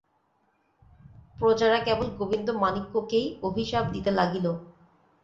প্রজারা কেবল গোবিন্দমাণিক্যকেই অভিশাপ দিতে লাগিল।